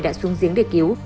đã xuống giếng để cứu